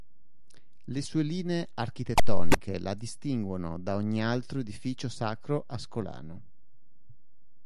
Le sue linee architettoniche la distinguono da ogni altro edificio sacro ascolano.